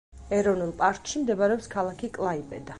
ეროვნულ პარკში მდებარეობს ქალაქი კლაიპედა.